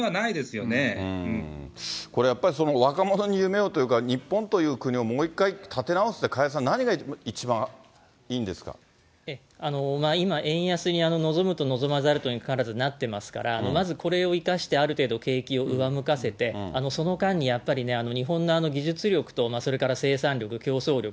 これやっぱり、若者に夢をというか、日本という国をもう一回立て直すって、加谷さん、何が一番いいん今、円安に望むと望まざるとにかかわらず、なってますから、まずこれを生かしてある程度、景気を上向かせて、その間にやっぱりね、日本の技術力と、それから生産力、競争力、